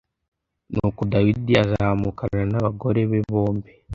Nuko Dawidi azamukana n’abagore be bombi